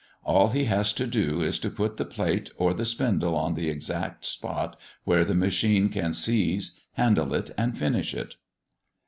All he has to do is to put the plate or the spindle on the exact spot, where the machine can seize, handle it, and finish it.